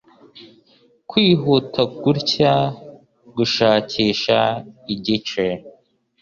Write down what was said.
kwihuta gutya gushakisha igice